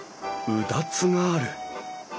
うだつがある。